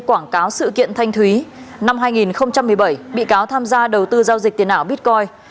quảng cáo sự kiện thanh thúy năm hai nghìn một mươi bảy bị cáo tham gia đầu tư giao dịch tiền ảo bitcoin